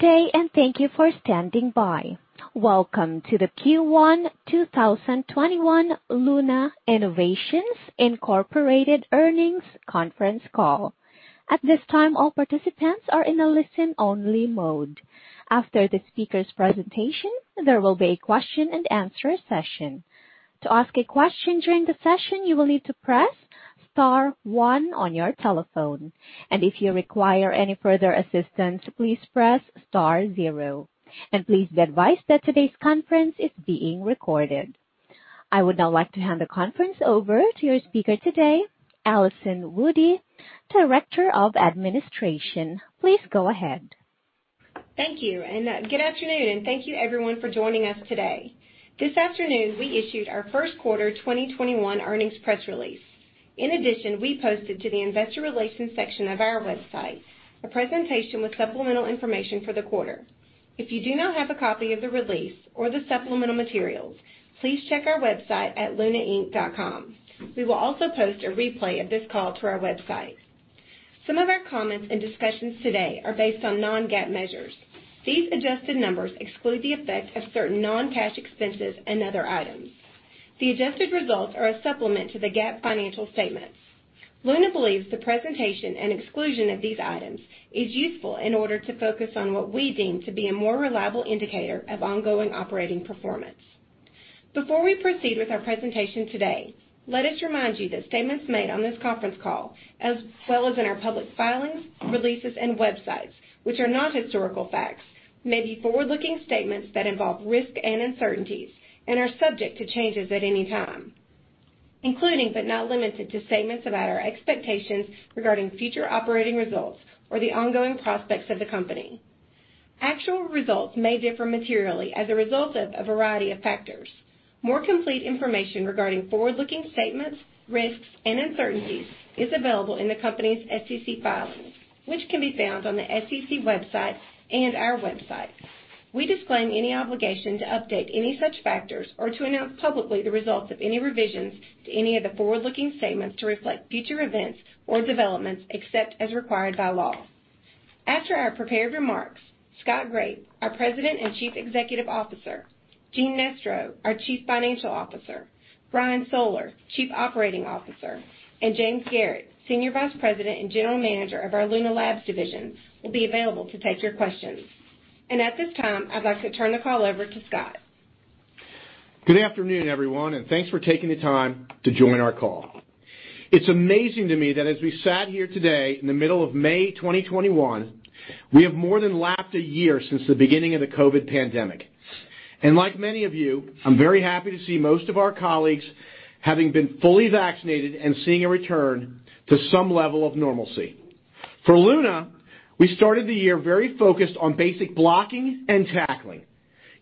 Today, and thank you for standing by. Welcome to the Q1 2021 Luna Innovations Incorporated Earnings Conference Call. At this time, all participants are in a listen-only mode. After the speakers' presentation, there will be a question-and-answer session. To ask a question during the session you’ll need to press star one on your telephone. If you require further assistance, please press star zero. Please be advised that today's conference is being recorded. I would now like to hand the conference over to your speaker today, Allison Woody, Director of Administration. Please go ahead. Thank you. Good afternoon, and thank you everyone for joining us today. This afternoon, we issued our Q1 2021 earnings press release. We posted to the Investor Relations section of our website a presentation with supplemental information for the quarter. If you do not have a copy of the release or the supplemental materials, please check our website at lunainc.com. We will also post a replay of this call to our website. Some of our comments and discussions today are based on non-GAAP measures. These adjusted numbers exclude the effects of certain non-cash expenses and other items. The adjusted results are a supplement to the GAAP financial statements. Luna believes the presentation and exclusion of these items is useful in order to focus on what we deem to be a more reliable indicator of ongoing operating performance. Before we proceed with our presentation today, let us remind you that statements made on this conference call, as well as in our public filings, releases, and websites, which are not historical facts, may be forward-looking statements that involve risks and uncertainties and are subject to changes at any time, including but not limited to statements about our expectations regarding future operating results or the ongoing prospects of the company. Actual results may differ materially as a result of a variety of factors. More complete information regarding forward-looking statements, risks, and uncertainties is available in the company's SEC filings, which can be found on the SEC website and our website. We disclaim any obligation to update any such factors or to announce publicly the results of any revisions to any of the forward-looking statements to reflect future events or developments, except as required by law. After our prepared remarks, Scott Graeff, our President and Chief Executive Officer, Gene Nestro, our Chief Financial Officer, Brian Soller, Chief Operating Officer, and James Garrett, Senior Vice President and General Manager of our Luna Labs division, will be available to take your questions. At this time, I'd like to turn the call over to Scott. Good afternoon, everyone. Thanks for taking the time to join our call. It's amazing to me that as we sat here today in the middle of May 2021, we have more than lapped a year since the beginning of the COVID pandemic. Like many of you, I'm very happy to see most of our colleagues having been fully vaccinated and seeing a return to some level of normalcy. For Luna, we started the year very focused on basic blocking and tackling.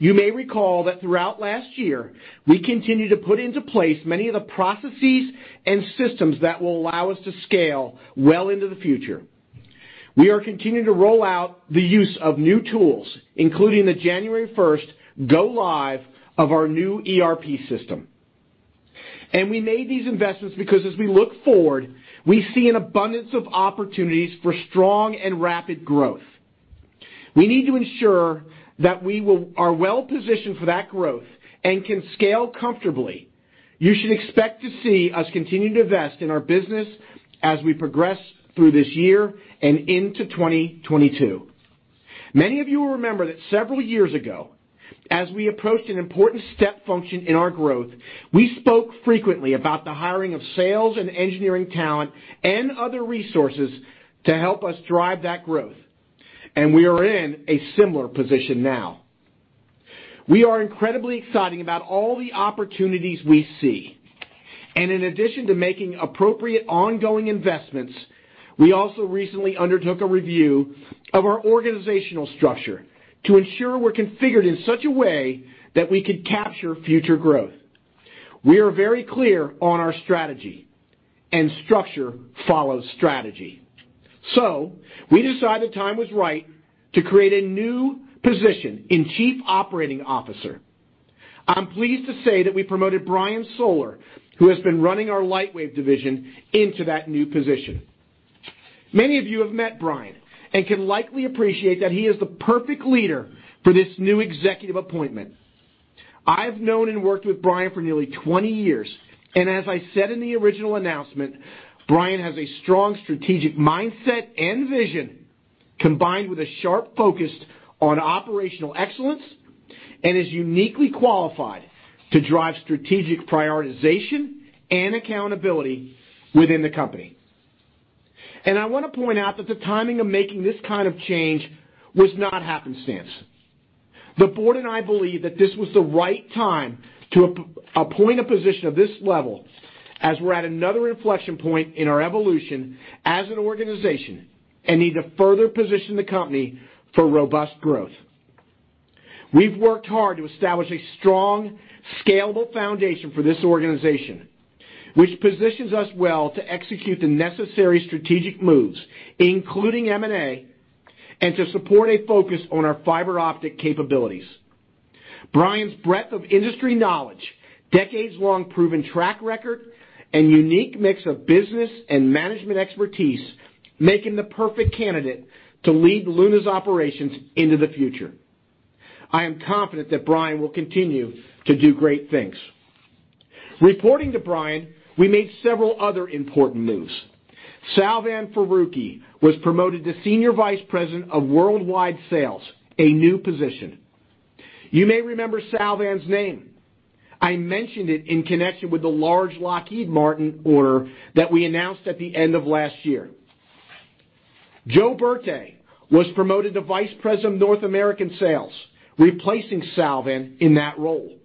You may recall that throughout last year, we continued to put into place many of the processes and systems that will allow us to scale well into the future. We are continuing to roll out the use of new tools, including the January 1st go live of our new ERP system. We made these investments because as we look forward, we see an abundance of opportunities for strong and rapid growth. We need to ensure that we are well-positioned for that growth and can scale comfortably. You should expect to see us continue to invest in our business as we progress through this year and into 2022. Many of you will remember that several years ago, as we approached an important step function in our growth, we spoke frequently about the hiring of sales and engineering talent and other resources to help us drive that growth, and we are in a similar position now. We are incredibly excited about all the opportunities we see. In addition to making appropriate ongoing investments, we also recently undertook a review of our organizational structure to ensure we're configured in such a way that we could capture future growth. We are very clear on our strategy, structure follows strategy. We decided the time was right to create a new position in Chief Operating Officer. I'm pleased to say that we promoted Brian Soller, who has been running our Lightwave division, into that new position. Many of you have met Brian and can likely appreciate that he is the perfect leader for this new executive appointment. I've known and worked with Brian for nearly 20 years, as I said in the original announcement, Brian has a strong strategic mindset and vision, combined with a sharp focus on operational excellence, and is uniquely qualified to drive strategic prioritization and accountability within the company. I want to point out that the timing of making this kind of change was not happenstance. The Board and I believe that this was the right time to appoint a position of this level, as we're at another inflection point in our evolution as an organization and need to further position the company for robust growth. We've worked hard to establish a strong, scalable foundation for this organization, which positions us well to execute the necessary strategic moves, including M&A, and to support a focus on our fiber optic capabilities. Brian's breadth of industry knowledge, decades-long proven track record, and unique mix of business and management expertise make him the perfect candidate to lead Luna's operations into the future. I am confident that Brian will continue to do great things. Reporting to Brian, we made several other important moves. Salvan Farooqui was promoted to Senior Vice President of Worldwide Sales, a new position. You may remember Salvan's name. I mentioned it in connection with the large Lockheed Martin order that we announced at the end of last year. Joe Berte was promoted to Vice President of North American sales, replacing Salvan in that role.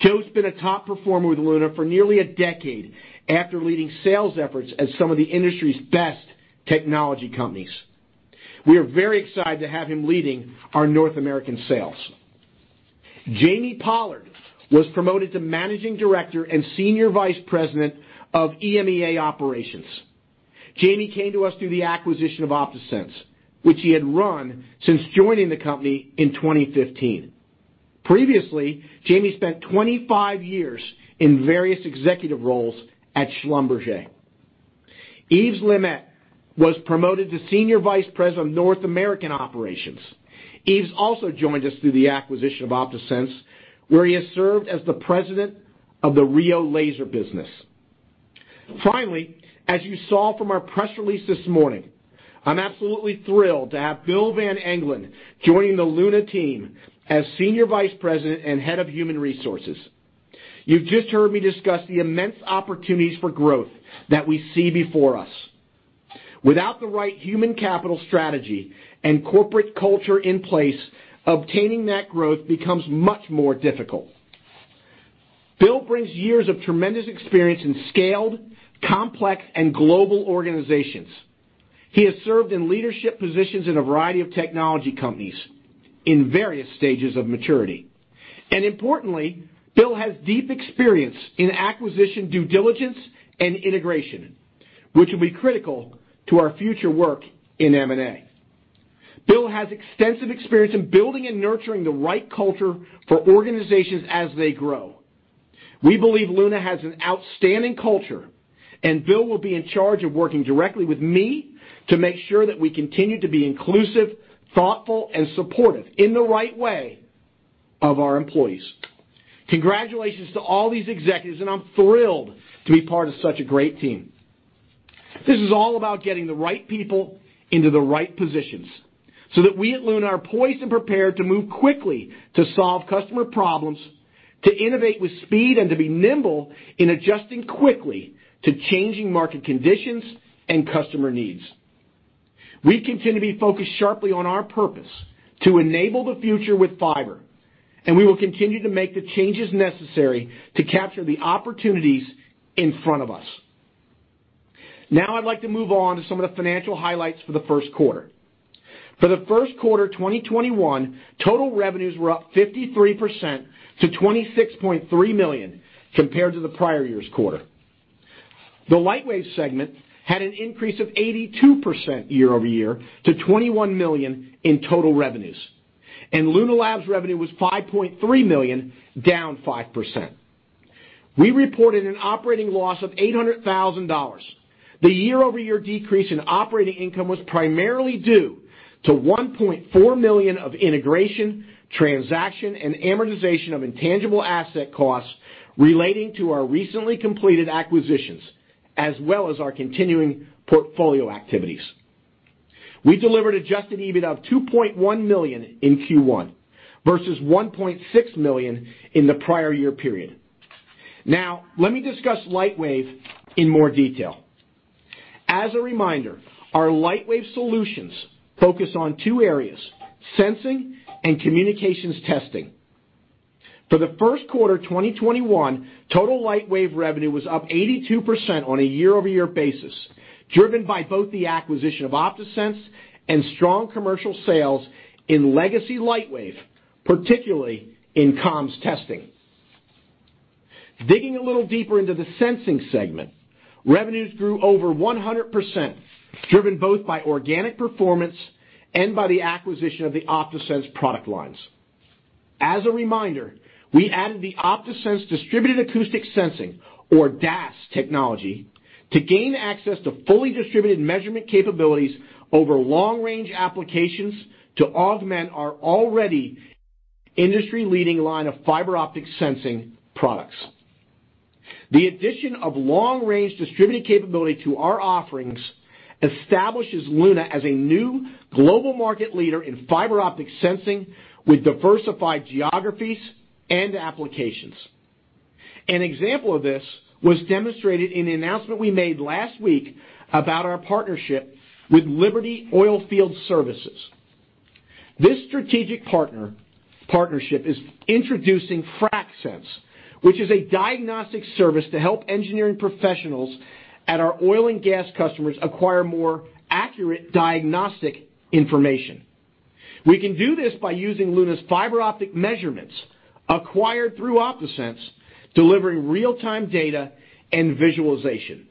Joe's been a top performer with Luna for nearly a decade after leading sales efforts at some of the industry's best technology companies. We are very excited to have him leading our North American sales. Jamie Pollard was promoted to Managing Director and Senior Vice President of EMEA operations. Jamie came to us through the acquisition of OptaSense, which he had run since joining the company in 2015. Previously, Jamie spent 25 years in various executive roles at Schlumberger. Yves LeMaitre was promoted to Senior Vice President of North American operations. Yves also joined us through the acquisition of OptaSense, where he has served as the President of the RIO Laser business. Finally, as you saw from our press release this morning, I'm absolutely thrilled to have Bill Van Anglen joining the Luna team as Senior Vice President and Head of Human Resources. You've just heard me discuss the immense opportunities for growth that we see before us. Without the right human capital strategy and corporate culture in place, obtaining that growth becomes much more difficult. Bill brings years of tremendous experience in scaled, complex, and global organizations. He has served in leadership positions in a variety of technology companies in various stages of maturity. Importantly, Bill has deep experience in acquisition due diligence and integration, which will be critical to our future work in M&A. Bill has extensive experience in building and nurturing the right culture for organizations as they grow. We believe Luna has an outstanding culture, and Bill will be in charge of working directly with me to make sure that we continue to be inclusive, thoughtful, and supportive in the right way of our employees. Congratulations to all these executives, and I'm thrilled to be part of such a great team. This is all about getting the right people into the right positions so that we at Luna are poised and prepared to move quickly to solve customer problems, to innovate with speed, and to be nimble in adjusting quickly to changing market conditions and customer needs. We continue to be focused sharply on our purpose to enable the future with fiber, and we will continue to make the changes necessary to capture the opportunities in front of us. Now, I'd like to move on to some of the financial highlights for the Q1. For the Q1 2021, total revenues were up 53% to $26.3 million compared to the prior year's quarter. The Lightwave segment had an increase of 82% year-over-year to $21 million in total revenues, and Luna Labs revenue was $5.3 million, down 5%. We reported an operating loss of $800,000. The year-over-year decrease in operating income was primarily due to $1.4 million of integration, transaction, and amortization of intangible asset costs relating to our recently completed acquisitions, as well as our continuing portfolio activities. We delivered adjusted EBITDA of $2.1 million in Q1 versus $1.6 million in the prior year period. Now, let me discuss Lightwave in more detail. As a reminder, our Lightwave solutions focus on two areas, sensing and communications testing. For the Q1 2021, total Lightwave revenue was up 82% on a year-over-year basis, driven by both the acquisition of OptaSense and strong commercial sales in legacy Lightwave, particularly in comms testing. Digging a little deeper into the sensing segment, revenues grew over 100%, driven both by organic performance and by the acquisition of the OptaSense product lines. As a reminder, we added the OptaSense Distributed Acoustic Sensing, or DAS technology, to gain access to fully distributed measurement capabilities over long range applications to augment our already industry-leading line of fiber optic sensing products. The addition of long range distributed capability to our offerings establishes Luna as a new global market leader in fiber optic sensing with diversified geographies and applications. An example of this was demonstrated in an announcement we made last week about our partnership with Liberty Oilfield Services. This strategic partnership is introducing FracSense, which is a diagnostic service to help engineering professionals and our oil and gas customers acquire more accurate diagnostic information. We can do this by using Luna's fiber optic measurements acquired through OptaSense, delivering real-time data and visualization.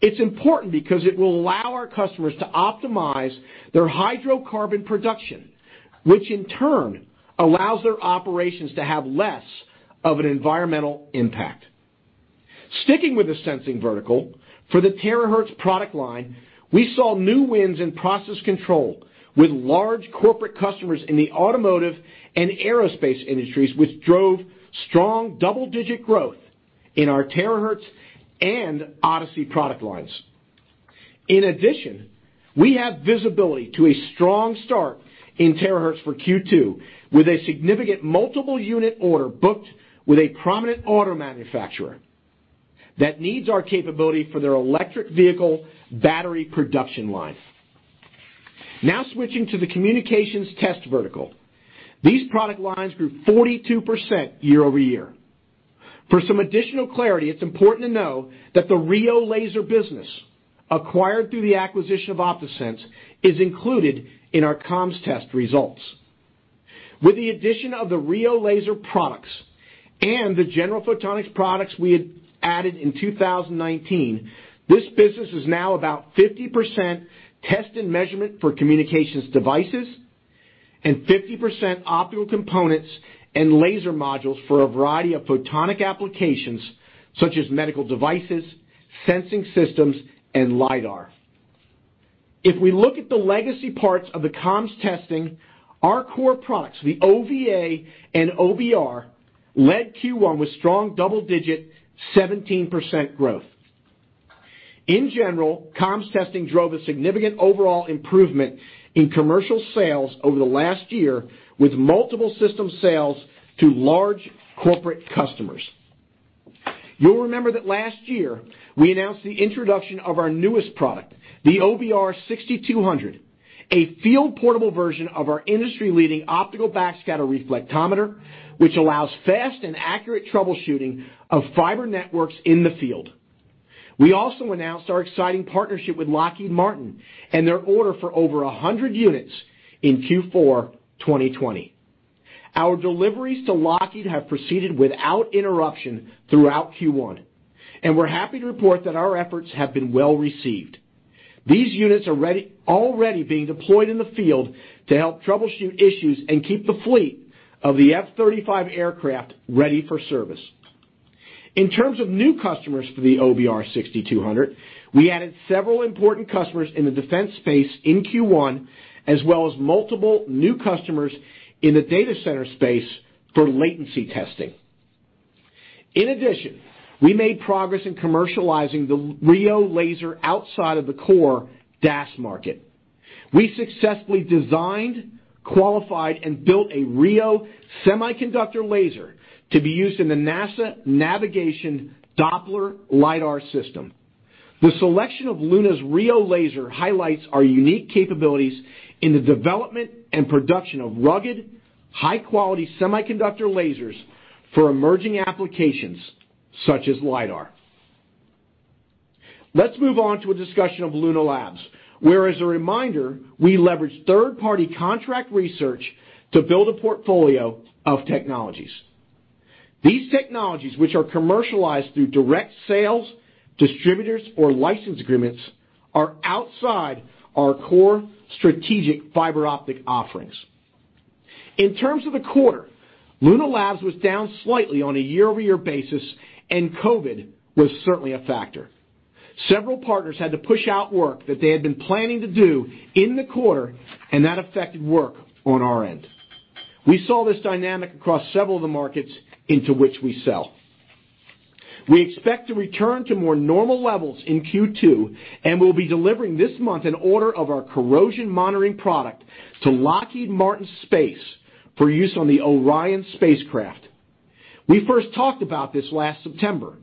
It's important because it will allow our customers to optimize their hydrocarbon production, which in turn allows their operations to have less of an environmental impact. Sticking with the sensing vertical, for the terahertz product line, we saw new wins in process control with large corporate customers in the automotive and aerospace industries, which drove strong double-digit growth in our terahertz and ODiSI product lines. In addition, we have visibility to a strong start in terahertz for Q2, with a significant multiple unit order booked with a prominent auto manufacturer that needs our capability for their electric vehicle battery production line. Switching to the communications test vertical. These product lines grew 42% year-over-year. For some additional clarity, it's important to know that the RIO Laser business, acquired through the acquisition of OptaSense, is included in our comms test results. With the addition of the RIO Laser products and the General Photonics products we had added in 2019, this business is now about 50% test and measurement for communications devices and 50% optical components and laser modules for a variety of photonic applications such as medical devices, sensing systems, and LiDAR. If we look at the legacy parts of the comms testing, our core products, the OVA and OBR, led Q1 with strong double-digit 17% growth. In general, comms testing drove a significant overall improvement in commercial sales over the last year, with multiple system sales to large corporate customers. You'll remember that last year, we announced the introduction of our newest product, the OBR 6200, a field-portable version of our industry-leading optical backscatter reflectometer, which allows fast and accurate troubleshooting of fiber networks in the field. We also announced our exciting partnership with Lockheed Martin and their order for over 100 units in Q4 2020. Our deliveries to Lockheed have proceeded without interruption throughout Q1, and we're happy to report that our efforts have been well-received. These units are already being deployed in the field to help troubleshoot issues and keep the fleet of the F-35 aircraft ready for service. In terms of new customers for the OBR 6200, we added several important customers in the defense space in Q1, as well as multiple new customers in the data center space for latency testing. In addition, we made progress in commercializing the RIO Laser outside of the core DAS market. We successfully designed, qualified, and built a RIO semiconductor laser to be used in the NASA Navigation Doppler Lidar system. The selection of Luna's RIO laser highlights our unique capabilities in the development and production of rugged, high-quality semiconductor lasers for emerging applications such as LiDAR. Let's move on to a discussion of Luna Labs, where, as a reminder, we leverage third-party contract research to build a portfolio of technologies. These technologies, which are commercialized through direct sales, distributors, or license agreements, are outside our core strategic fiber optic offerings. In terms of the quarter, Luna Labs was down slightly on a year-over-year basis, and COVID was certainly a factor. Several partners had to push out work that they had been planning to do in the quarter, and that affected work on our end. We saw this dynamic across several of the markets into which we sell. We expect to return to more normal levels in Q2 and will be delivering this month an order of our corrosion monitoring product to Lockheed Martin Space for use on the Orion spacecraft. We first talked about this last September.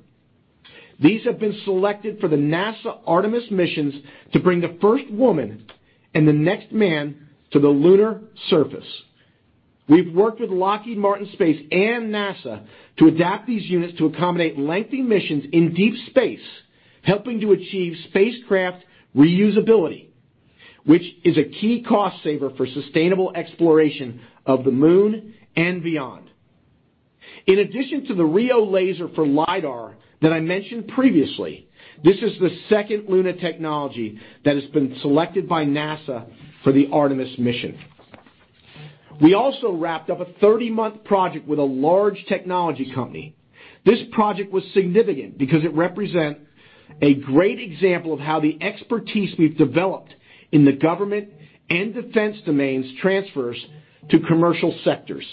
These have been selected for the NASA Artemis missions to bring the first woman and the next man to the lunar surface. We've worked with Lockheed Martin Space and NASA to adapt these units to accommodate lengthy missions in deep space, helping to achieve spacecraft reusability, which is a key cost saver for sustainable exploration of the moon and beyond. In addition to the RIO Laser for LiDAR that I mentioned previously, this is the second Luna technology that has been selected by NASA for the Artemis mission. We also wrapped up a 30-month project with a large technology company. This project was significant because it represents a great example of how the expertise we've developed in the government and defense domains transfers to commercial sectors.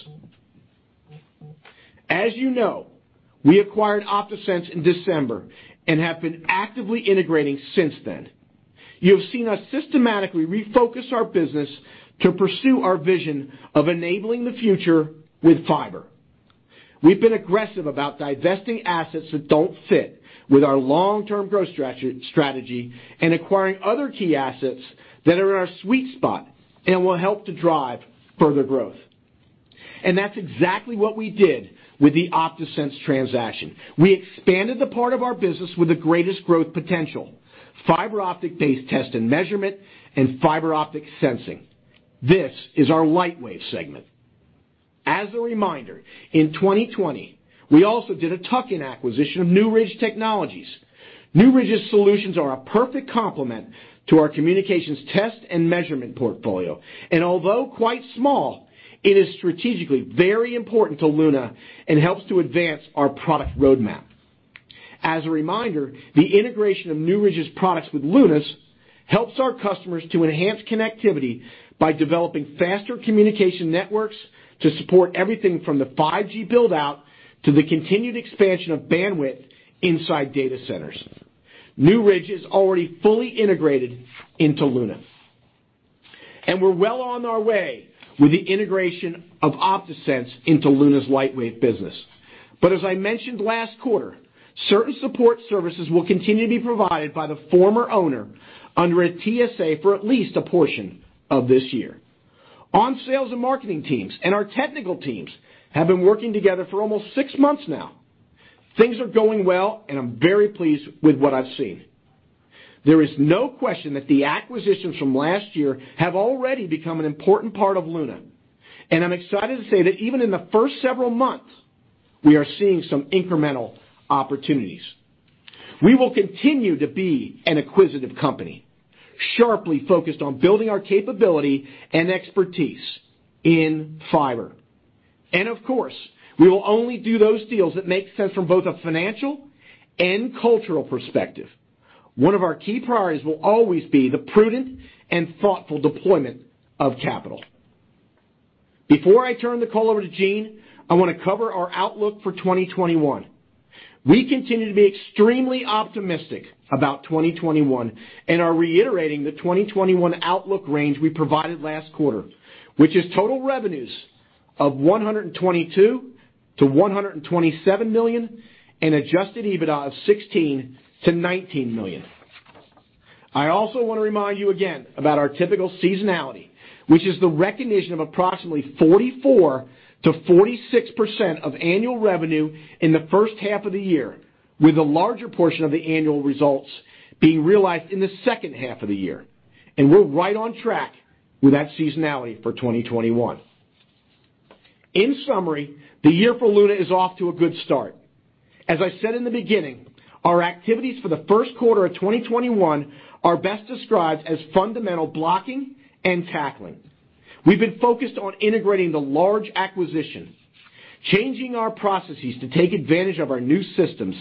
As you know, we acquired OptaSense in December and have been actively integrating since then. You have seen us systematically refocus our business to pursue our vision of enabling the future with fiber. We've been aggressive about divesting assets that don't fit with our long-term growth strategy and acquiring other key assets that are in our sweet spot and will help to drive further growth. That's exactly what we did with the OptaSense transaction. We expanded the part of our business with the greatest growth potential, fiber optic-based test and measurement and fiber optic sensing. This is our Lightwave segment. As a reminder, in 2020, we also did a tuck-in acquisition of New Ridge Technologies. New Ridge's solutions are a perfect complement to our communications test and measurement portfolio, and although quite small, it is strategically very important to Luna and helps to advance our product roadmap. As a reminder, the integration of New Ridge's products with Luna's helps our customers to enhance connectivity by developing faster communication networks to support everything from the 5G build-out to the continued expansion of bandwidth inside data centers. New Ridge is already fully integrated into Luna, and we're well on our way with the integration of OptaSense into Luna's Lightwave business. As I mentioned last quarter, certain support services will continue to be provided by the former owner under a TSA for at least a portion of this year. Our sales and marketing teams and our technical teams have been working together for almost six months now. Things are going well, and I'm very pleased with what I've seen. There is no question that the acquisitions from last year have already become an important part of Luna, and I'm excited to say that even in the first several months, we are seeing some incremental opportunities. We will continue to be an acquisitive company, sharply focused on building our capability and expertise in fiber. Of course, we will only do those deals that make sense from both a financial and cultural perspective. One of our key priorities will always be the prudent and thoughtful deployment of capital. Before I turn the call over to Gene, I want to cover our outlook for 2021. We continue to be extremely optimistic about 2021 and are reiterating the 2021 outlook range we provided last quarter, which is total revenues of $122 million-$127 million and adjusted EBITDA of $16 million-$19 million. I also want to remind you again about our typical seasonality, which is the recognition of approximately 44%-46% of annual revenue in the first half of the year, with a larger portion of the annual results being realized in the second half of the year. We're right on track with that seasonality for 2021. In summary, the year for Luna is off to a good start. As I said in the beginning, our activities for the Q1 of 2021 are best described as fundamental blocking and tackling. We've been focused on integrating the large acquisitions, changing our processes to take advantage of our new systems,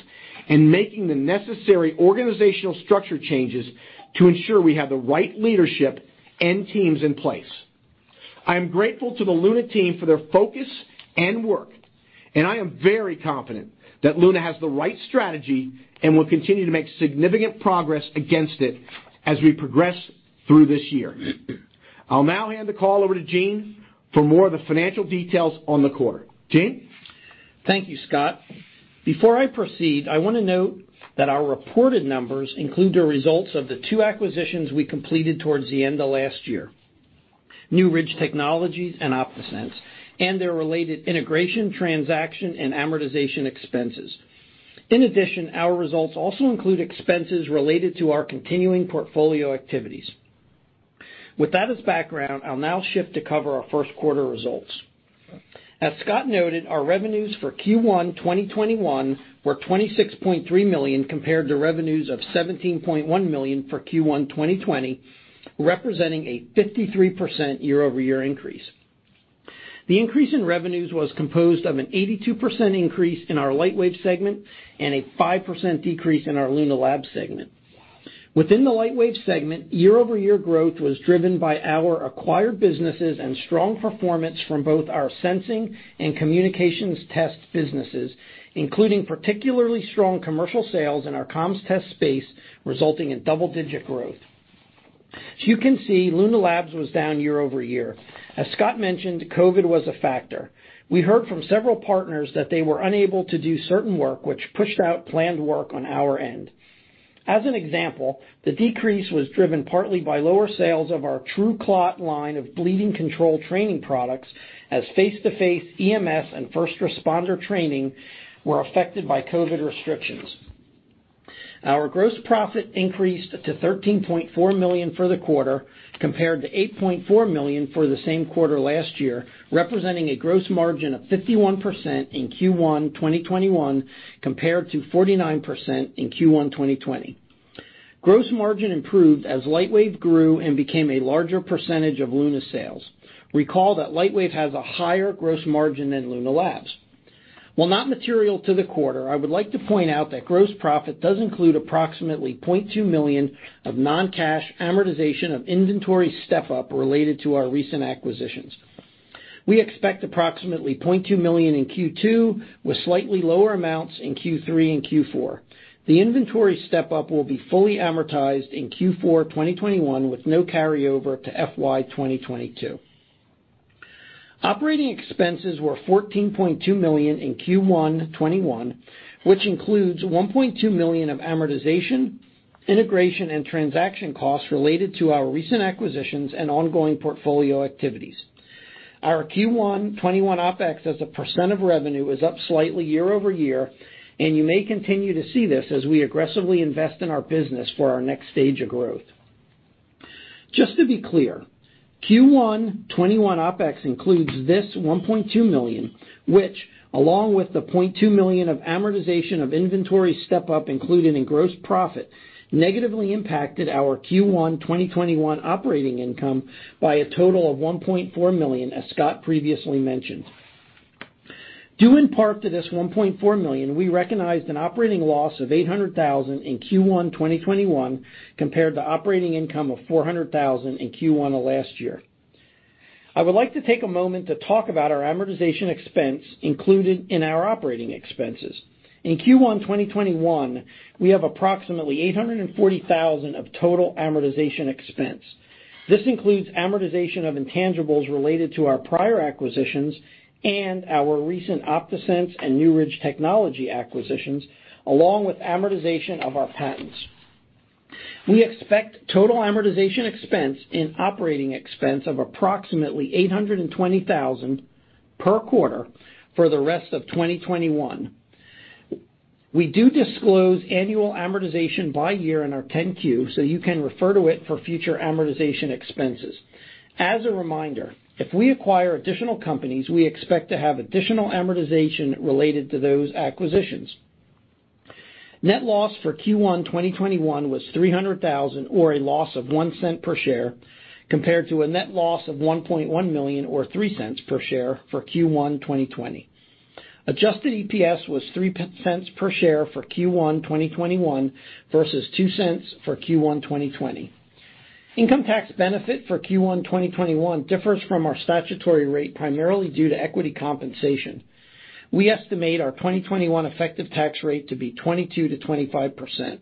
and making the necessary organizational structure changes to ensure we have the right leadership and teams in place. I am very confident that Luna has the right strategy and will continue to make significant progress against it as we progress through this year. I'll now hand the call over to Gene for more of the financial details on the quarter. Gene? Thank you, Scott. Before I proceed, I want to note that our reported numbers include the results of the two acquisitions we completed towards the end of last year, New Ridge Technologies and OptaSense, and their related integration, transaction, and amortization expenses. In addition, our results also include expenses related to our continuing portfolio activities. With that as background, I'll now shift to cover our Q1 results. As Scott noted, our revenues for Q1 2021 were $26.3 million compared to revenues of $17.1 million for Q1 2020, representing a 53% year-over-year increase. The increase in revenues was composed of an 82% increase in our Lightwave segment and a 5% decrease in our Luna Labs segment. Within the Lightwave segment, year-over-year growth was driven by our acquired businesses and strong performance from both our sensing and communications test businesses, including particularly strong commercial sales in our comms test space, resulting in double-digit growth. As you can see, Luna Labs was down year-over-year. As Scott mentioned, COVID was a factor. We heard from several partners that they were unable to do certain work, which pushed out planned work on our end. As an example, the decrease was driven partly by lower sales of our TrueClot line of bleeding control training products as face-to-face EMS and first responder training were affected by COVID restrictions. Our gross profit increased to $13.4 million for the quarter, compared to $8.4 million for the same quarter last year, representing a gross margin of 51% in Q1 2021 compared to 49% in Q1 2020. Gross margin improved as Lightwave grew and became a larger percentage of Luna sales. Recall that Lightwave has a higher gross margin than Luna Labs. While not material to the quarter, I would like to point out that gross profit does include approximately $0.2 million of non-cash amortization of inventory step-up related to our recent acquisitions. We expect approximately $0.2 million in Q2 with slightly lower amounts in Q3 and Q4. The inventory step-up will be fully amortized in Q4 2021 with no carryover to FY 2022. Operating expenses were $14.2 million in Q1 2021, which includes $1.2 million of amortization, integration, and transaction costs related to our recent acquisitions and ongoing portfolio activities. Our Q1 2021 OpEx as a percent of revenue is up slightly year-over-year, and you may continue to see this as we aggressively invest in our business for our next stage of growth. Just to be clear, Q1 2021 OpEx includes this $1.2 million, which along with the $0.2 million of amortization of inventory step-up included in gross profit, negatively impacted our Q1 2021 operating income by a total of $1.4 million, as Scott previously mentioned. Due in part to this $1.4 million, we recognized an operating loss of $800,000 in Q1 2021 compared to operating income of $400,000 in Q1 of last year. I would like to take a moment to talk about our amortization expense included in our operating expenses. In Q1 2021, we have approximately $840,000 of total amortization expense. This includes amortization of intangibles related to our prior acquisitions and our recent OptaSense and New Ridge Technologies acquisitions, along with amortization of our patents. We expect total amortization expense and operating expense of approximately $820,000 per quarter for the rest of 2021. We do disclose annual amortization by year in our 10-Q, so you can refer to it for future amortization expenses. As a reminder, if we acquire additional companies, we expect to have additional amortization related to those acquisitions. Net loss for Q1 2021 was $300,000 or a loss of $0.01 per share, compared to a net loss of $1.1 million or $0.03 per share for Q1 2020. Adjusted EPS was $0.03 per share for Q1 2021 versus $0.02 for Q1 2020. Income tax benefit for Q1 2021 differs from our statutory rate primarily due to equity compensation. We estimate our 2021 effective tax rate to be 22%-25%.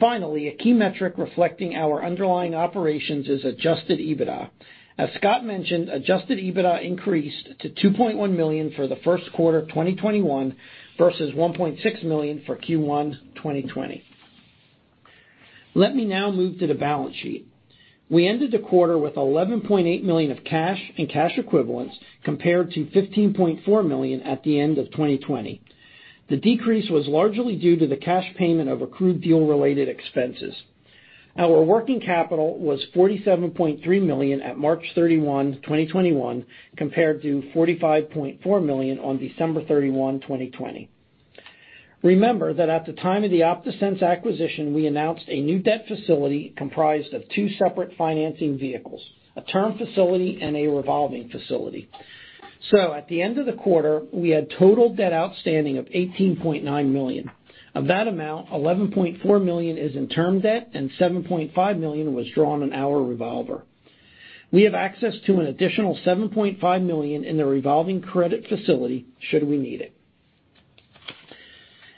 Finally, a key metric reflecting our underlying operations is adjusted EBITDA. As Scott mentioned, adjusted EBITDA increased to $2.1 million for the Q1 of 2021 versus $1.6 million for Q1 2020. Let me now move to the balance sheet. We ended the quarter with $11.8 million of cash and cash equivalents, compared to $15.4 million at the end of 2020. The decrease was largely due to the cash payment of accrued deal related expenses. Our working capital was $47.3 million at March 31, 2021, compared to $45.4 million on December 31, 2020. Remember that at the time of the OptaSense acquisition, we announced a new debt facility comprised of two separate financing vehicles, a term facility, and a revolving facility. At the end of the quarter, we had total debt outstanding of $18.9 million. Of that amount, $11.4 million is in term debt and $7.5 million was drawn in our revolver. We have access to an additional $7.5 million in the revolving credit facility should we need it.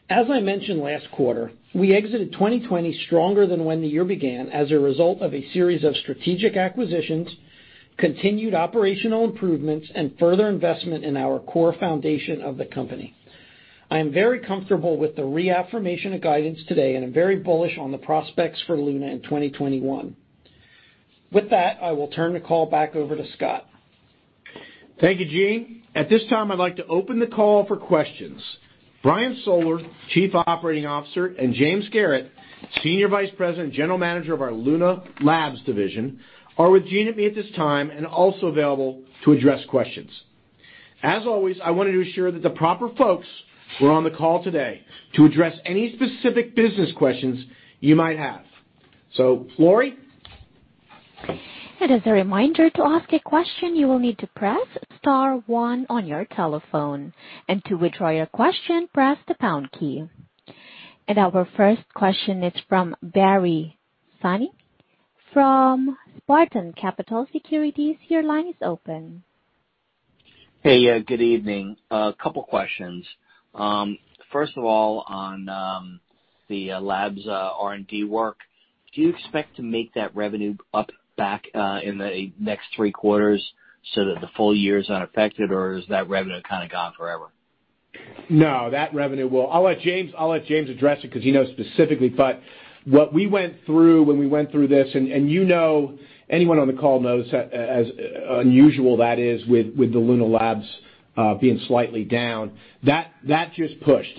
As I mentioned last quarter, we exited 2020 stronger than when the year began as a result of a series of strategic acquisitions, continued operational improvements, and further investment in our core foundation of the company. I am very comfortable with the reaffirmation of guidance today and am very bullish on the prospects for Luna in 2021. With that, I will turn the call back over to Scott. Thank you, Gene. At this time, I'd like to open the call for questions. Brian Soller, Chief Operating Officer, and James Garrett, Senior Vice President and General Manager of our Luna Labs division, are with Gene and me at this time and also available to address questions. As always, I want to assure that the proper folks were on the call today to address any specific business questions you might have. Lori? As a reminder, to ask a question, you will need to press star one on your telephone. And to withdraw your question, press the pound key. Our first question is from Barry Sine from Spartan Capital Securities. Your line is open. Hey. Good evening. A couple questions. First of all, on the Labs R&D work, do you expect to make that revenue up back in the next three quarters so that the full year is unaffected, or is that revenue kind of gone forever? No, that revenue I'll let James address it because he knows specifically, but what we went through when we went through this, and anyone on the call knows as unusual that is with the Luna Labs being slightly down. That just pushed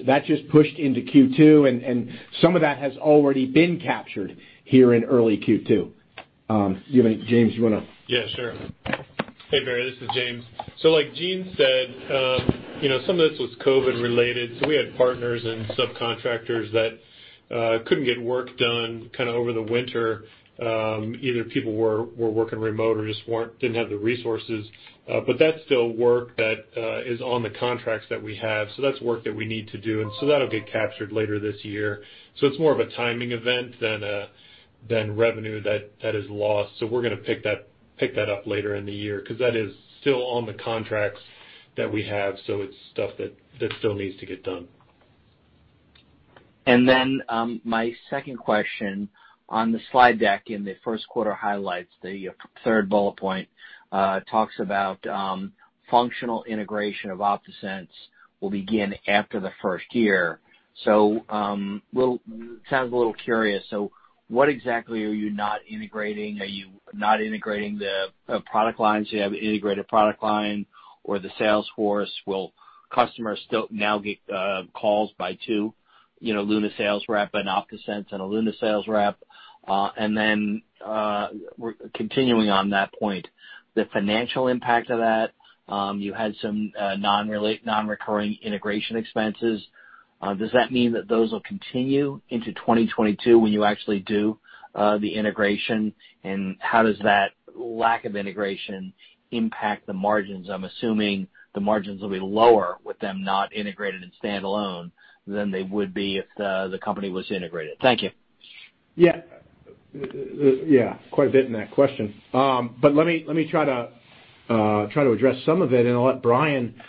into Q2, and some of that has already been captured here in early Q2. James, you want to? Yeah, sure. Hey, Barry, this is James. Like Gene said, some of this was COVID related. We had partners and subcontractors that couldn't get work done over the winter. Either people were working remote or just didn't have the resources. That's still work that is on the contracts that we have. That's work that we need to do, and so that'll get captured later this year. It's more of a timing event than revenue that is lost. We're going to pick that up later in the year because that is still on the contracts that we have. It's stuff that still needs to get done. My second question, on the slide deck in the Q1 highlights, the third bullet point talks about functional integration of OptaSense will begin after the first year. Sounds a little curious. What exactly are you not integrating? Are you not integrating the product lines or the sales force, will customers now get calls by two, Luna sales rep and OptaSense and a Luna sales rep? Continuing on that point, the financial impact of that, you had some non-recurring integration expenses. Does that mean that those will continue into 2022 when you actually do the integration? How does that lack of integration impact the margins? I'm assuming the margins will be lower with them not integrated and standalone than they would be if the company was integrated. Thank you. Yeah. Quite a bit in that question. Let me try to address some of it, and I'll let Brian address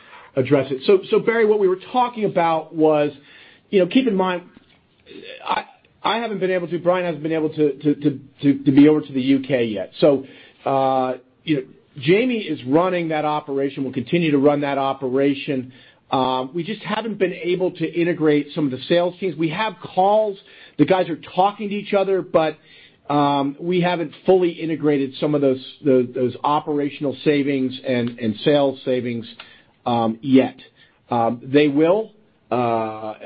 it. Barry, what we were talking about was, keep in mind, I haven't been able to, Brian hasn't been able to be over to the U.K. yet. Jamie is running that operation, will continue to run that operation. We just haven't been able to integrate some of the sales teams. We have calls. The guys are talking to each other, but we haven't fully integrated some of those operational savings and sales savings yet. They will. You saw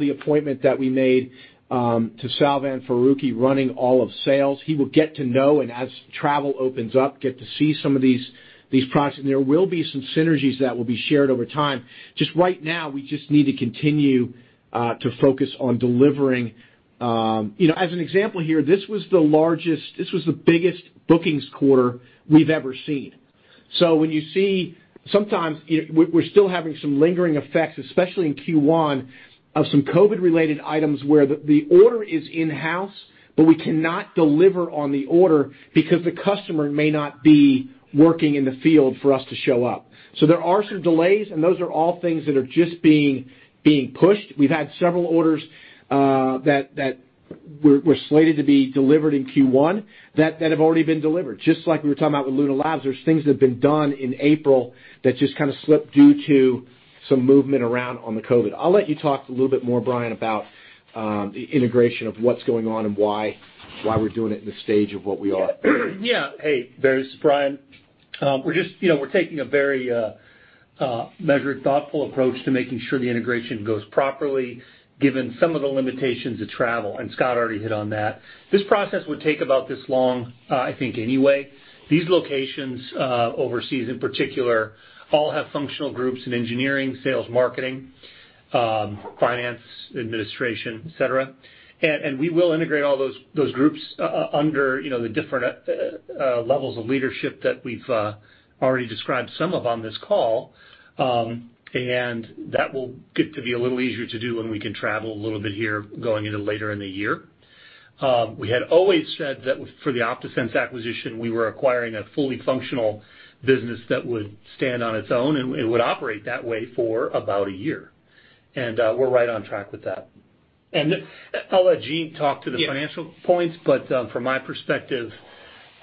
the appointment that we made to Salvan Farooqui running all of sales. He will get to know, and as travel opens up, get to see some of these products. There will be some synergies that will be shared over time. Just right now, we just need to continue to focus on delivering. As an example here, this was the biggest bookings quarter we've ever seen. When you see sometimes we're still having some lingering effects, especially in Q1, of some COVID-related items where the order is in-house, but we cannot deliver on the order because the customer may not be working in the field for us to show up. There are some delays, and those are all things that are just being pushed. We've had several orders that were slated to be delivered in Q1 that have already been delivered. Just like we were talking about with Luna Labs, there's things that have been done in April that just kind of slipped due to some movement around on the COVID. I'll let you talk a little bit more, Brian, about the integration of what's going on and why we're doing it in the stage of what we are. Yeah. Hey, Barry, this is Brian. We're just taking a very measured, thoughtful approach to making sure the integration goes properly, given some of the limitations of travel, and Scott already hit on that. This process would take about this long, I think, anyway. These locations, overseas in particular, all have functional groups in engineering, sales, marketing, finance, administration, et cetera. We will integrate all those groups under the different levels of leadership that we've already described some of on this call. That will get to be a little easier to do when we can travel a little bit here going into later in the year. We had always said that for the OptaSense acquisition, we were acquiring a fully functional business that would stand on its own, and it would operate that way for about a year. We're right on track with that. I'll let Gene talk to the financial points. From my perspective,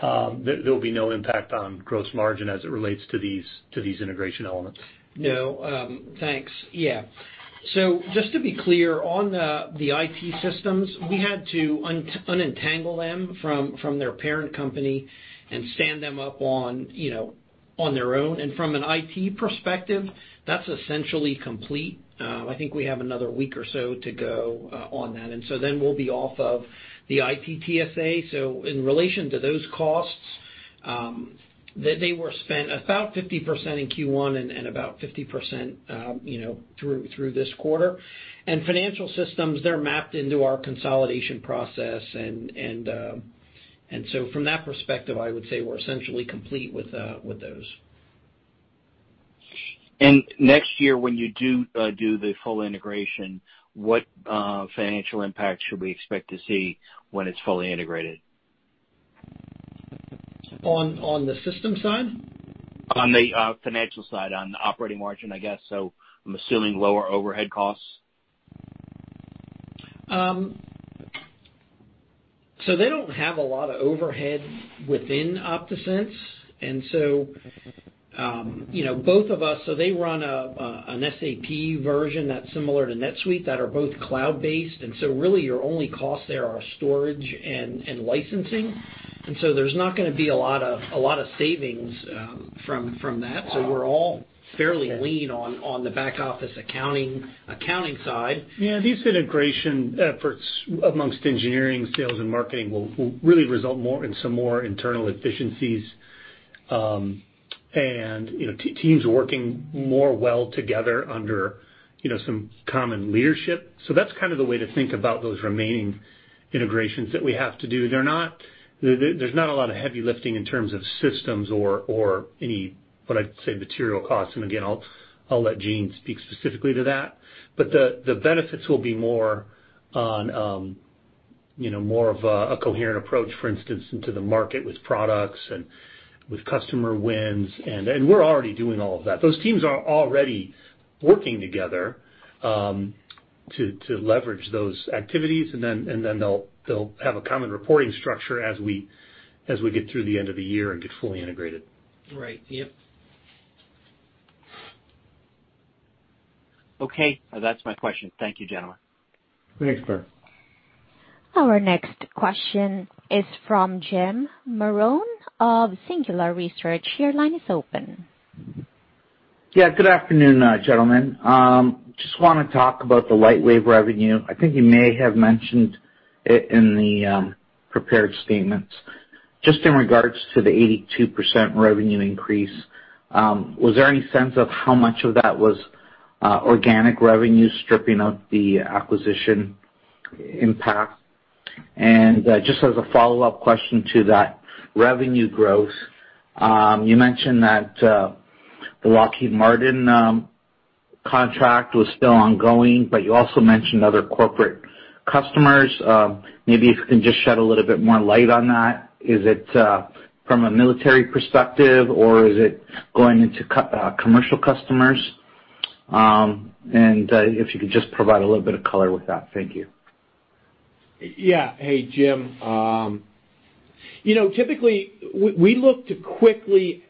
there'll be no impact on gross margin as it relates to these integration elements. No. Thanks. Yeah. Just to be clear, on the IT systems, we had to unentangle them from their parent company and stand them up on their own. From an IT perspective, that's essentially complete. I think we have another week or so to go on that. We'll be off of the IT TSA. In relation to those costs, they were spent about 50% in Q1 and about 50% through this quarter. Financial systems, they're mapped into our consolidation process, from that perspective, I would say we're essentially complete with those. Next year, when you do the full integration, what financial impact should we expect to see when it's fully integrated? On the system side? On the financial side, on the operating margin, I guess. I'm assuming lower overhead costs. They don't have a lot of overhead within OptaSense. Both of us, they run an SAP version that's similar to NetSuite that are both cloud-based, really your only cost there are storage and licensing. There's not going to be a lot of savings from that. We're all fairly lean on the back office accounting side. These integration efforts amongst engineering, sales, and marketing will really result in some more internal efficiencies, and teams working more well together under some common leadership. That's kind of the way to think about those remaining integrations that we have to do. There's not a lot of heavy lifting in terms of systems or any, what I'd say, material costs. Again, I'll let Gene speak specifically to that. The benefits will be more of a coherent approach, for instance, into the market with products and with customer wins. We're already doing all of that. Those teams are already working together to leverage those activities. They'll have a common reporting structure as we get through the end of the year and get fully integrated. Right. Yep. Okay. That's my question. Thank you, gentlemen. Thanks, Barry Sine. Our next question is from Jim Marrone of Singular Research. Your line is open. Yeah. Good afternoon, gentlemen. Just want to talk about the Lightwave revenue. I think you may have mentioned it in the prepared statements. Just in regards to the 82% revenue increase, was there any sense of how much of that was organic revenue stripping out the acquisition impact? Just as a follow-up question to that revenue growth, you mentioned that the Lockheed Martin contract was still ongoing, but you also mentioned other corporate customers. Maybe if you can just shed a little bit more light on that. Is it from a military perspective or is it going into commercial customers? If you could just provide a little bit of color with that. Thank you. Yeah. Hey, Jim. Typically, we look to quickly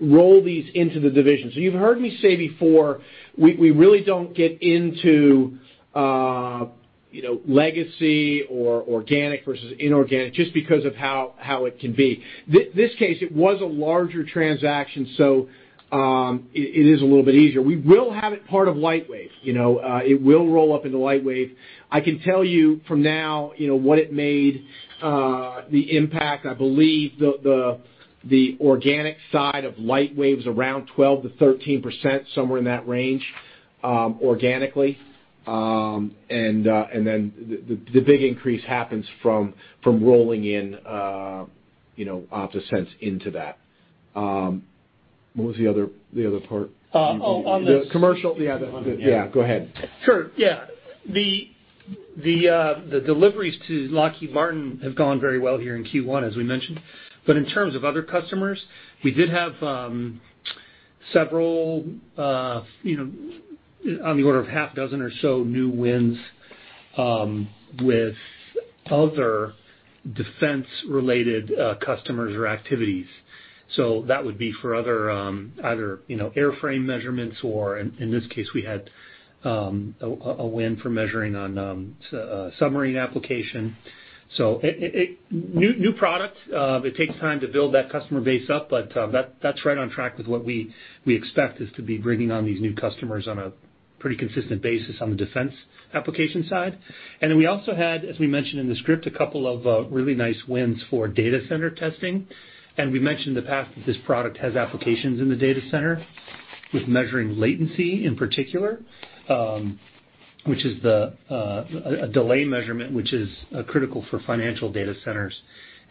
roll these into the divisions. You've heard me say before, we really don't get into legacy or organic versus inorganic just because of how it can be. This case, it was a larger transaction, so it is a little bit easier. We will have it part of Lightwave. It will roll up into Lightwave. I can tell you for now what it made the impact. I believe the organic side of Lightwave is around 12%-13%, somewhere in that range organically. The big increase happens from rolling in OptaSense into that. What was the other part? The commercial. Yeah, go ahead. Sure. Yeah. The deliveries to Lockheed Martin have gone very well here in Q1, as we mentioned. In terms of other customers, we did have several, on the order of half dozen or so new wins with other defense-related customers or activities. That would be for other either airframe measurements or in this case, we had a win for measuring on submarine application. New product. It takes time to build that customer base up, but that's right on track with what we expect is to be bringing on these new customers on a pretty consistent basis on the defense application side. We also had, as we mentioned in the script, a couple of really nice wins for data center testing. We mentioned in the past that this product has applications in the data center with measuring latency in particular, which is the delay measurement, which is critical for financial data centers.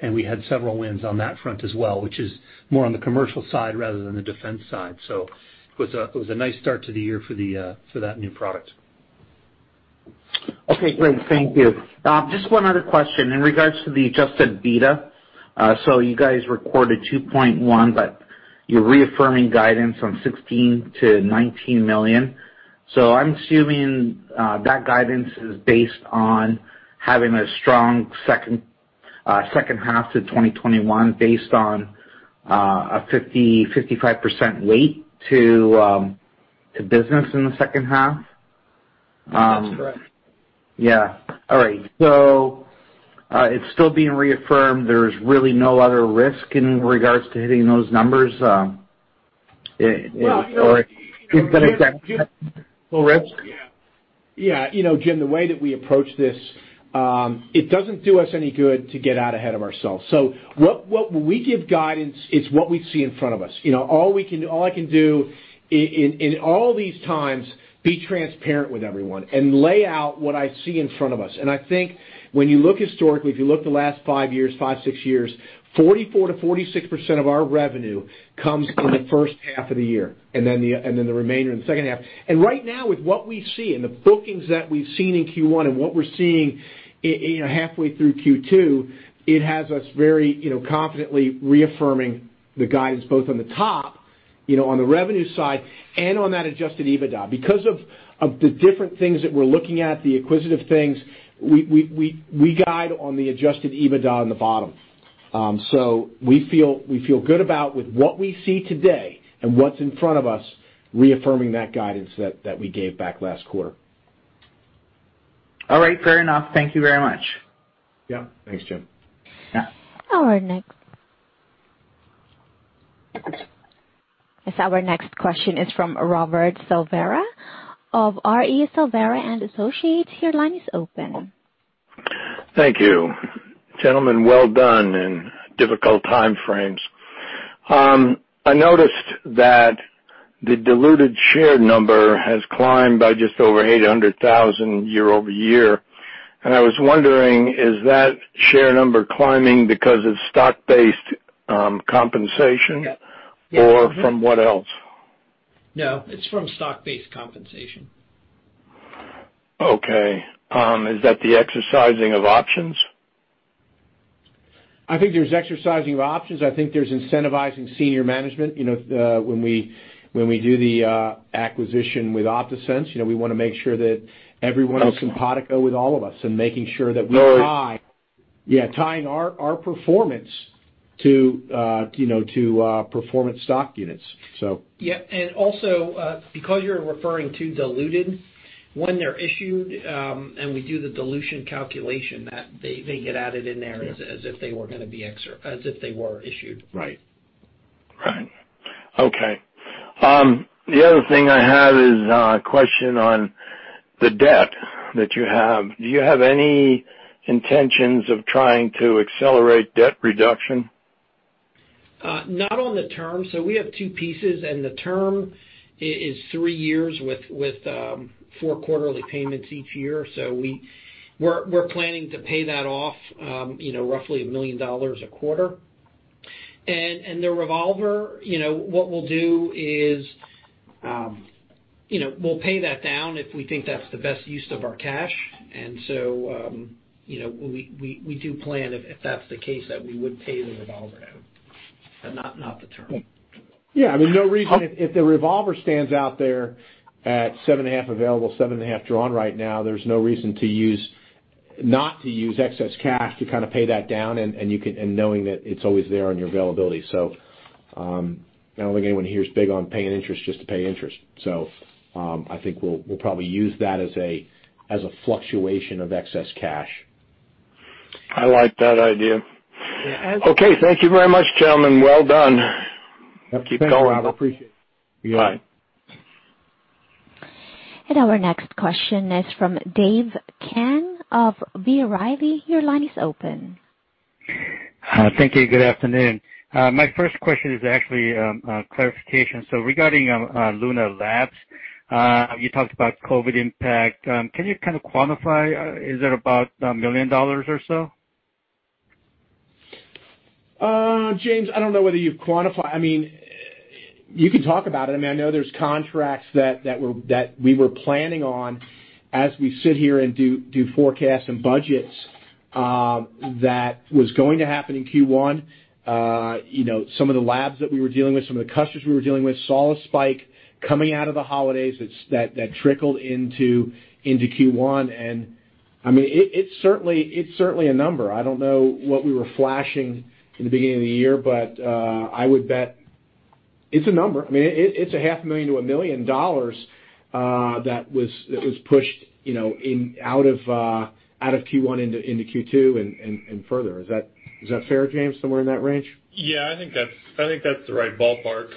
We had several wins on that front as well, which is more on the commercial side rather than the defense side. It was a nice start to the year for that new product. Okay, great. Thank you. Just one other question in regards to the adjusted EBITDA. You guys recorded $2.1, but you're reaffirming guidance from $16 million-$19 million. I'm assuming that guidance is based on having a strong second half to 2021 based on a 55% leap to business in the second half. That's correct. Yeah. All right. It's still being reaffirmed. There's really no other risk in regards to hitting those numbers. Yeah. Jim, the way that we approach this, it doesn't do us any good to get out ahead of ourselves. When we give guidance, it's what we see in front of us. All I can do in all these times, be transparent with everyone and lay out what I see in front of us. I think when you look historically, if you look the last five, six years, 44%-46% of our revenue comes in the first half of the year, and then the remainder in the second half. Right now, with what we see and the bookings that we've seen in Q1 and what we're seeing halfway through Q2, it has us very confidently reaffirming the guidance both on the top, on the revenue side, and on that adjusted EBITDA. Because of the different things that we're looking at, the acquisitive things, we guide on the adjusted EBITDA on the bottom. We feel good about with what we see today and what's in front of us reaffirming that guidance that we gave back last quarter. All right. Fair enough. Thank you very much. Yeah. Thanks, Jim. All right, next. Our next question is from Robert Silveira of R.E. Silveira & Associates. Your line is open. Thank you. Gentlemen, well done in difficult time frames. I noticed that the diluted share number has climbed by just over 800,000 year-over-year. I was wondering, is that share number climbing because of stock-based compensation or from what else? No, it's from stock-based compensation. Okay. Is that the exercising of options? I think there's exercising of options. I think there's incentivizing senior management. When we do the acquisition with OptaSense, we want to make sure that everyone is simpatico with all of us and making sure that we buy. Yeah, tying our performance to performance stock units. Yeah. Also, because you're referring to diluted, when they're issued, and we do the dilution calculation, they get added in there as if they were issued. Right. Okay. The other thing I had is a question on the debt that you have. Do you have any intentions of trying to accelerate debt reduction? Not on the term. We have two pieces, and the term is three years with four quarterly payments each year. We're planning to pay that off roughly $1 million a quarter. The revolver, what we'll do is we'll pay that down if we think that's the best use of our cash. We do plan, if that's the case, that we would pay the revolver down, but not the term. Yeah. If the revolver stands out there at $7.5 available, $7.5 drawn right now, there's no reason not to use excess cash to pay that down and knowing that it's always there on your availability. No one here is big on paying interest just to pay interest. I think we'll probably use that as a fluctuation of excess cash. I like that idea. Okay. Thank you very much, gentlemen. Well done. Keep going. I appreciate it. Our next question is from Dave Kang of B. Riley. Your line is open. Thank you. Good afternoon. My first question is actually a clarification. Regarding Luna Labs, you talked about COVID impact. Can you kind of quantify, is it about $1 million or so? James, I don't know whether you quantify. You can talk about it, and I know there's contracts that we were planning on as we sit here and do forecasts and budgets, that was going to happen in Q1. Some of the labs that we were dealing with, some of the customers we were dealing with, saw a spike coming out of the holidays that trickled into Q1, and it's certainly a number. I don't know what we were flashing at the beginning of the year, but I would bet it's a number. It's $500,000-$1 million that was pushed out of Q1 into Q2 and further. Is that fair, James, somewhere in that range? I think that's the right ballpark.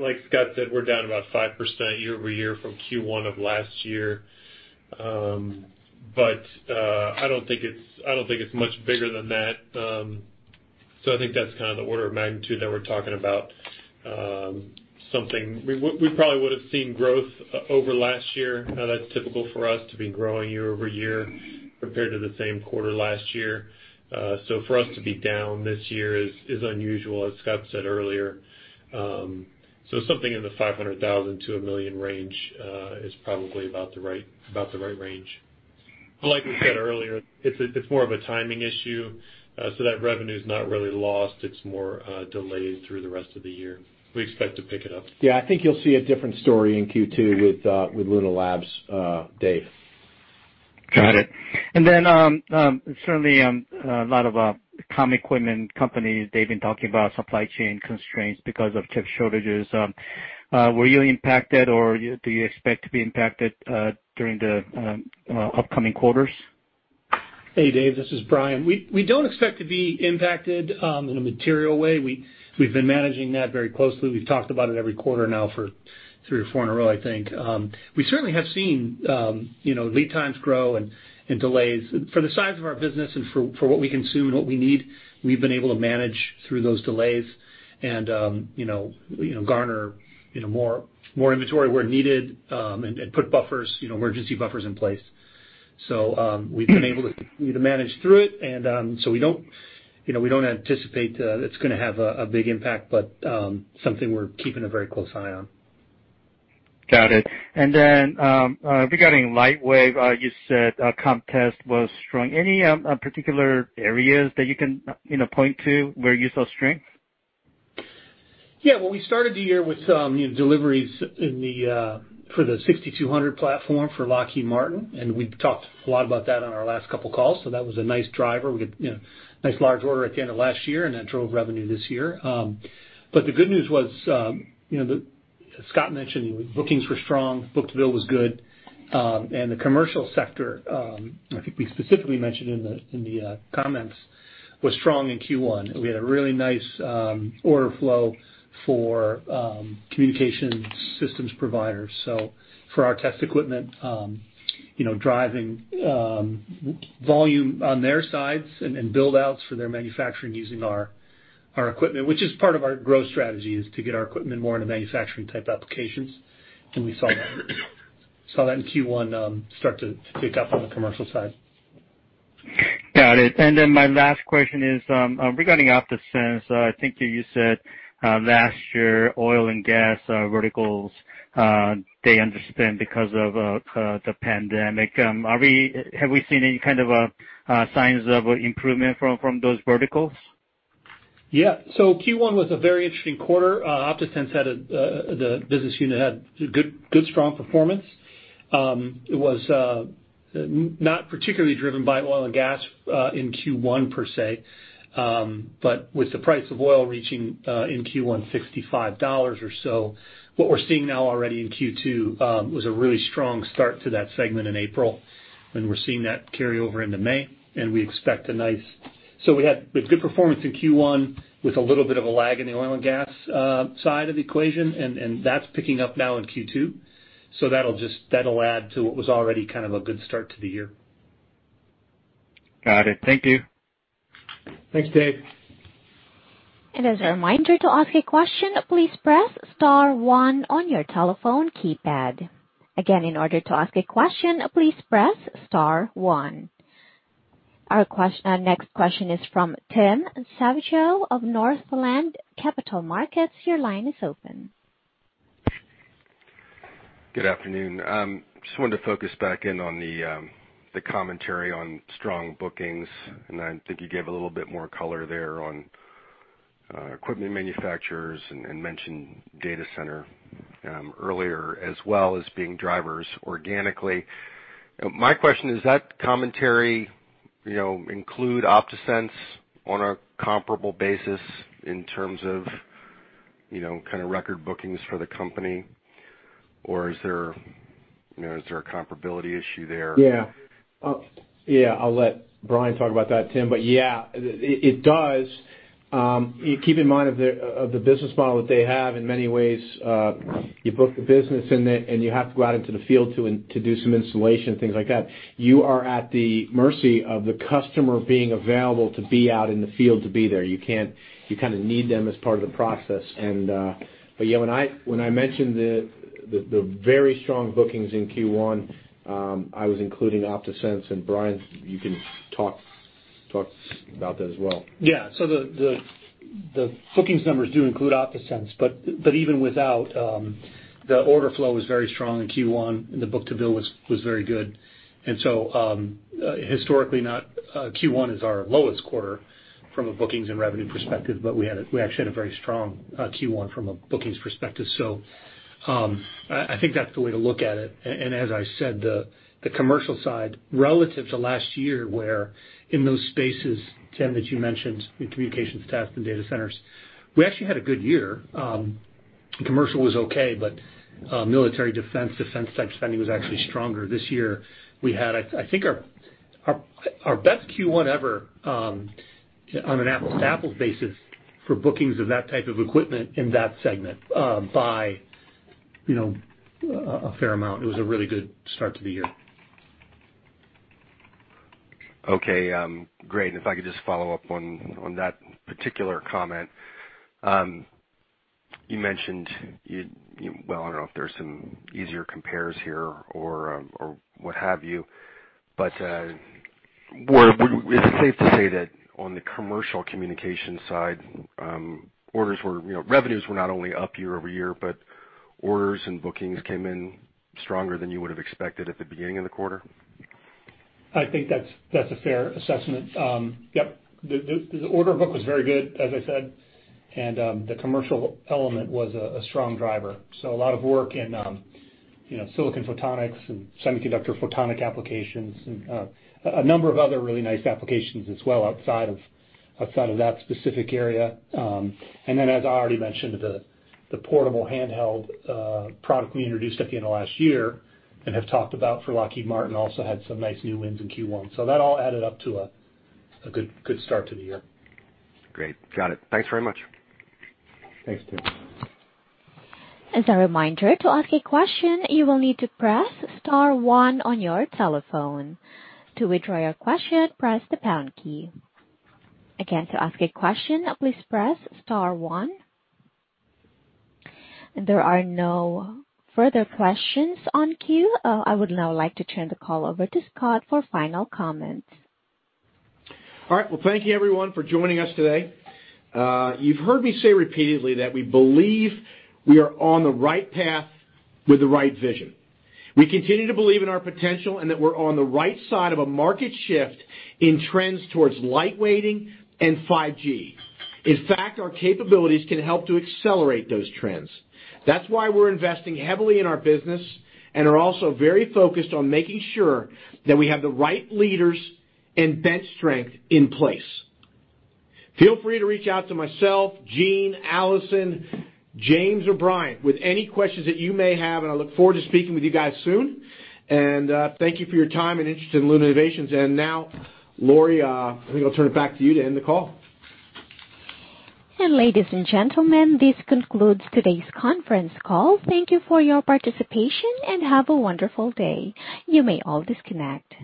Like Scott said, we're down about 5% year-over-year from Q1 of last year. I don't think it's much bigger than that. I think that's the order of magnitude that we're talking about. We probably would've seen growth over last year. That's typical for us to be growing year-over-year compared to the same quarter last year. For us to be down this year is unusual, as Scott said earlier. Something in the $500,000-$1 million range is probably about the right range. Like we said earlier, it's more of a timing issue. That revenue's not really lost. It's more delayed through the rest of the year. We expect to pick it up. Yeah, I think you'll see a different story in Q2 with Luna Labs, Dave. Got it. Certainly, a lot of comm equipment companies, they've been talking about supply chain constraints because of chip shortages. Were you impacted, or do you expect to be impacted during the upcoming quarters? Hey, Dave, this is Brian. We don't expect to be impacted in a material way. We've been managing that very closely. We've talked about it every quarter now for three or four in a row, I think. We certainly have seen lead times grow and delays. For the size of our business and for what we consume and what we need, we've been able to manage through those delays and garner more inventory where needed, and put emergency buffers in place. We've been able to manage through it, and so we don't anticipate that it's going to have a big impact, but something we're keeping a very close eye on. Got it. Regarding Lightwave, you said our comm test was strong. Any particular areas that you can point to where you saw strength? Well, we started the year with some deliveries for the OBR 6200 platform for Lockheed Martin, and we've talked a lot about that on our last couple of calls. That was a nice driver. We had a nice large order at the end of last year and that drove revenue this year. The good news was, as Scott mentioned, bookings were strong, book-to-bill was good. The commercial sector, I think we specifically mentioned in the comments, was strong in Q1, and we had a really nice order flow for communication systems providers. For our test equipment driving volume on their sides and build-outs for their manufacturing using our equipment. Which is part of our growth strategy, is to get our equipment more into manufacturing type applications, and we saw that in Q1 start to pick up on the commercial side. Got it. My last question is regarding OptaSense. I think that you said last year, oil and gas verticals, they under-spent because of the pandemic. Have we seen any kind of signs of improvement from those verticals? Yeah. Q1 was a very interesting quarter. OptaSense, the business unit, had a good strong performance. It was not particularly driven by oil and gas in Q1 per se. With the price of oil reaching in Q1 $65 or so, what we're seeing now already in Q2 was a really strong start to that segment in April, and we're seeing that carry over into May. We had good performance in Q1 with a little bit of a lag in the oil and gas side of the equation, and that's picking up now in Q2. That'll add to what was already kind of a good start to the year. Got it. Thank you. Thanks, Dave. As a reminder, to ask a question, please press star one on your telephone keypad. Again, in order to ask a question, please press star one. Our next question is from Tim Savageaux of Northland Capital Markets. Your line is open. Good afternoon. Just wanted to focus back in on the commentary on strong bookings. I think you gave a little bit more color there on equipment manufacturers and mentioned data center earlier as well as being drivers organically. My question is, does that commentary include OptaSense on a comparable basis in terms of record bookings for the company? Is there a comparability issue there? Yeah. I'll let Brian talk about that, Tim, but yeah, it does. Keep in mind of the business model that they have, in many ways, you book the business and you have to go out into the field to do some installation and things like that. You are at the mercy of the customer being available to be out in the field to be there. You kind of need them as part of the process. When I mentioned the very strong bookings in Q1, I was including OptaSense, and Brian, you can talk about that as well. Yeah. The bookings numbers do include OptaSense, but even without, the order flow was very strong in Q1, and the book-to-bill was very good. Historically, Q1 is our lowest quarter from a bookings and revenue perspective, but we actually had a very strong Q1 from a bookings perspective. I think that's the way to look at it. As I said, the commercial side relative to last year, where in those spaces, Tim, as you mentioned, the communications and data centers, we actually had a good year. Commercial was okay, but military defense type spending was actually stronger. This year, we had, I think our best Q1 ever on an apples-to-apples basis for bookings of that type of equipment in that segment by a fair amount. It was a really good start to the year. Okay. Great. If I could just follow-up on that particular comment. You mentioned, well, I don't know if there's some easier compares here or what have you, but is it safe to say that on the commercial communication side, revenues were not only up year-over-year, but orders and bookings came in stronger than you would've expected at the beginning of the quarter? I think that's a fair assessment. Yep. The order book was very good, as I said, and the commercial element was a strong driver. A lot of work in silicon photonics and semiconductor photonic applications, and a number of other really nice applications as well outside of that specific area. Then, as I already mentioned, the portable handheld product we introduced at the end of last year and have talked about for Lockheed Martin also had some nice new wins in Q1. That all added up to a good start to the year. Great. Got it. Thanks very much. Thanks, Tim. As a reminder, to ask a question, you will need to press star one on your telephone. To withdraw your question, press the pound key. Again, to ask a question, please press star one. There are no further questions on queue. I would now like to turn the call over to Scott for final comments. All right. Well, thank you everyone for joining us today. You've heard me say repeatedly that we believe we are on the right path with the right vision. We continue to believe in our potential and that we're on the right side of a market shift in trends towards lightweighting and 5G. In fact, our capabilities can help to accelerate those trends. That's why we're investing heavily in our business and are also very focused on making sure that we have the right leaders and bench strength in place. Feel free to reach out to myself, Gene, Allison, James, or Brian with any questions that you may have, and I look forward to speaking with you guys soon. Thank you for your time and interest in Luna Innovations. Now, Lori, I'm going to turn it back to you to end the call. Ladies and gentlemen, this concludes today's conference call. Thank you for your participation, and have a wonderful day. You may all disconnect.